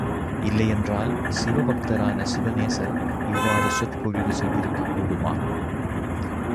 இல்லையென்றால், சிவபக்தரான சிவநேசர் இவ்வாறு சொற்பொழிவு செய்திருக்கக் கூடுமா?